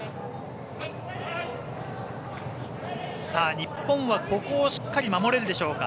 日本はここをしっかり守れるでしょうか。